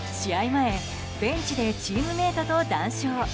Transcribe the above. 前ベンチでチームメートと談笑。